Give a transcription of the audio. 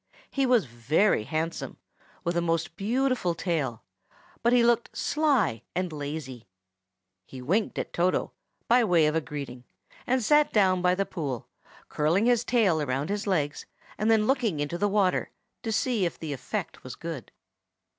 He was very handsome, with a most beautiful tail, but he looked sly and lazy. He winked at Toto, by way of greeting, and sat down by the pool, curling his tail round his legs, and then looking into the water to see if the effect was good.